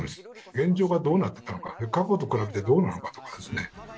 現状がどうなっていたのか過去と比べてどうなのかとかですね